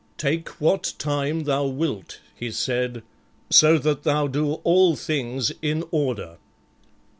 "Take what time thou wilt," he said, "so that thou do all things in order."